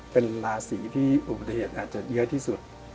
เป็นราศีที่อุบัติเหตุอาจจะเยอะที่สุด